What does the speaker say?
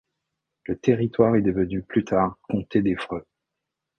Le territoire est devenu plus tard comté d'Évreux.